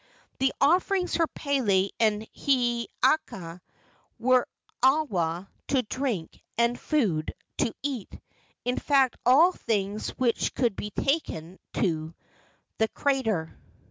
The offerings for Pele and Hiiaka were awa to drink and food to eat, in fact all things which could be taken to the crater.